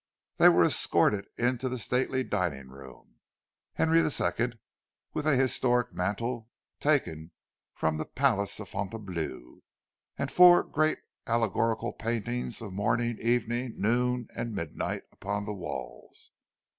They were escorted into the stately dining room—Henri II., with a historic mantel taken from the palace of Fontainebleau, and four great allegorical paintings of Morning, Evening, Noon, and Midnight upon the walls.